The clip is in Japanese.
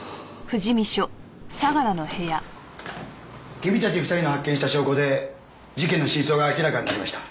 君たち２人の発見した証拠で事件の真相が明らかになりました。